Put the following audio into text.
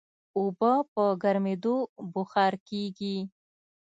اوبه په ګرمېدو بخار کېږي.